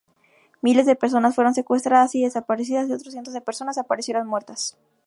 Miles de personas fueron secuestradas y desaparecidas y, otro cientos de personas aparecieron muertas.